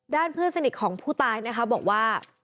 เพื่อนสนิทของผู้ตายนะคะบอกว่า